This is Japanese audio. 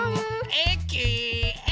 えきえき。